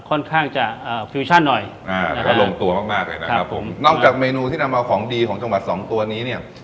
ค่อนข้างจะอ่าฟิวชั่นหน่อยอ่าแล้วก็ลงตัวมากมากเลยนะครับผมนอกจากเมนูที่นำเอาของดีของจังหวัดสองตัวนี้เนี่ย